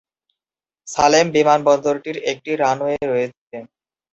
সালেম বিমানবন্দরটির একটি রানওয়ে রয়েছে।